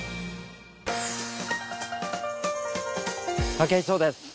武井壮です。